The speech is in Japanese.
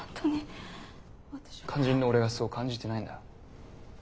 肝心の俺がそう感じてないんだ。